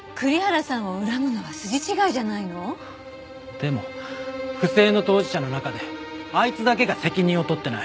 でも不正の当事者の中であいつだけが責任を取ってない。